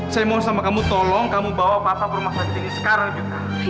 saya mohon sama kamu tolong kamu bawa papa ke rumah sakit ini sekarang juga